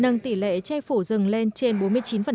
nâng tỷ lệ che phủ rừng lên trên bốn mươi chín